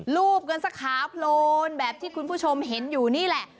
รูปกันสักขาโพลนแบบที่คุณผู้ชมเห็นอยู่นี่แหละ